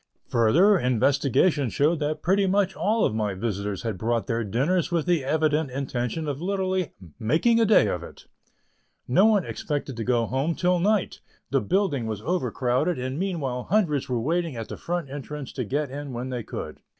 Further, investigation showed that pretty much all of my visitors had brought their dinners with the evident intention of literally "making a day of it." No one expected to go home till night; the building was overcrowded, and meanwhile hundreds were waiting at the front entrance to get in when they could.